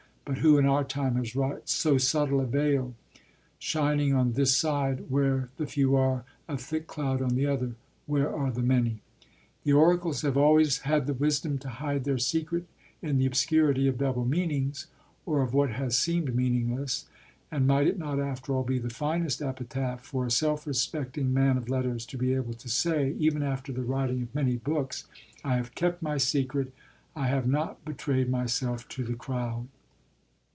but who in our time has wrought so subtle a veil, shining on this side, where the few are, a thick cloud on the other, where are the many? The oracles have always had the wisdom to hide their secret in the obscurity of double meanings or of what has seemed meaningless; and might it not after all be the finest epitaph for a self respecting man of letters to be able to say, even after the writing of many books: I have kept my secret, I have not betrayed myself to the crowd?